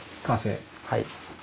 はい。